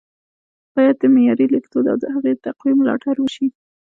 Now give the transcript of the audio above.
ـ بايد د معیاري لیکدود او د هغه د تقويې ملاتړ وشي